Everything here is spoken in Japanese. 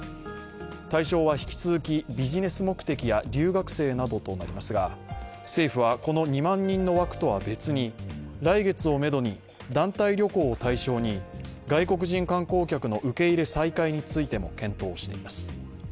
対象は引き続き、ビジネス目的や留学生などとなりますが政府は、この２万人の枠とは別に、来月をめどに団体旅行を対象に外国人観光客の受け入れ再開についても検討しています。